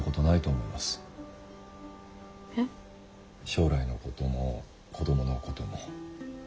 将来のことも子どものことも。